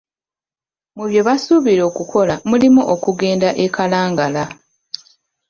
Mu bye basuubira okukola mulimu okugenda e Kalangala.